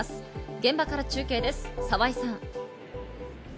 現場から中継です、澤井さん。